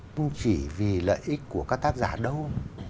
cũng chỉ vì lợi ích của các tác giả đâu